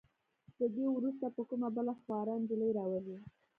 له دې وروسته به کومه بله خواره نجلې راولئ.